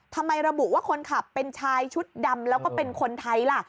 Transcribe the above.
ทำไมระบุว่าคนขับเป็นชายชุดดำแล้วก็เป็นคนไทยล่ะ